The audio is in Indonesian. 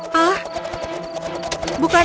hah bukankah itu